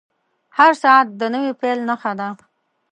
• هر ساعت د نوې پیل نښه ده.